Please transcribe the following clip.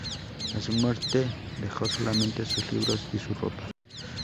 A su muerte dejó solamente sus libros y su ropa.